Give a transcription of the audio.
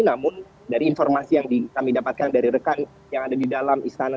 namun dari informasi yang kami dapatkan dari rekan yang ada di dalam istana negara